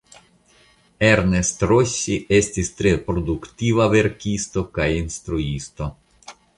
Ernest Rossi estis tre produktiva verkisto kaj instruisto.